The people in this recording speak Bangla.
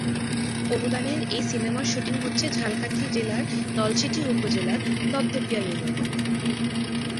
অনুদানের এই সিনেমার শুটিং হচ্ছে ঝালকাঠি জেলার নলছিটি উপজেলার দপদপিয়া ইউনিয়নে।